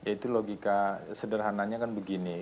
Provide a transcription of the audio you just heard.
itu logika sederhananya kan begini